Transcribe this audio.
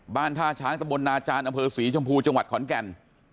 ท่าช้างตะบลนาจารย์อำเภอศรีชมพูจังหวัดขอนแก่น